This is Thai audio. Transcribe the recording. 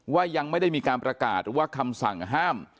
ยังไม่ได้มีการประกาศหรือว่าคำสั่งห้าม